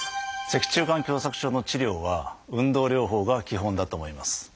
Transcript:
脊柱管狭窄症の治療は運動療法が基本だと思います。